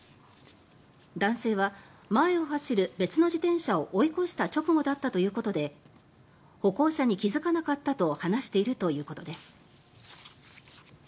男性は前を走る別の自転車を追い越した直後だったということで歩行者に気付かなかったと話しているということです。